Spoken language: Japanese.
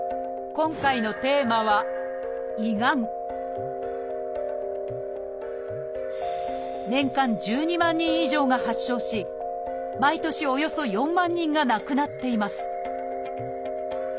今回のテーマは年間１２万人以上が発症し毎年およそ４万人が亡くなっています